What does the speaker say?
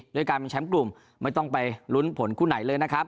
โดยการเป็นแชมป์กลุ่มไม่ต้องไปลุ้นผลคู่ไหนเลย